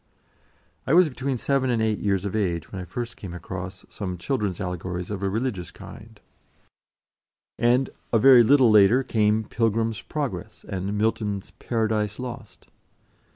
I was between seven and eight years of age when I first came across some children's allegories of a religious kind, and a very little later came "Pilgrim's Progress," and Milton's "Paradise Lost."